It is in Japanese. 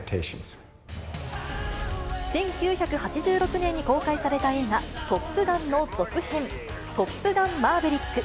１９８６年に公開された映画、トップガンの続編、トップガンマーヴェリック。